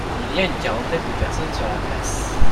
Il y a une quarantaine de personnes sur la place.